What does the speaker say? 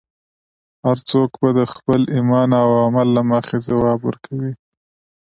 هر څوک به د خپل ایمان او عمل له مخې ځواب ورکوي.